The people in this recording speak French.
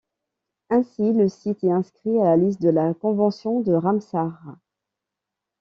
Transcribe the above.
Ainsi, le site est inscrit à la liste de la Convention de Ramsar.